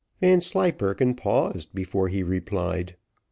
Vanslyperken paused before he replied.